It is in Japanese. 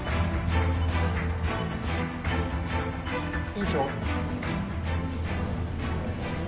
院長？